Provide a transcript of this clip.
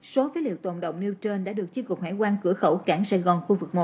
số phế liệu tồn động nêu trên đã được chiếc cục hải quan cửa khẩu cảng sài gòn khu vực một